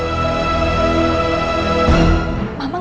dia akan tetap bersama mama